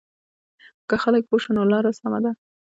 که خلک پوه شول نو لاره سمه ده.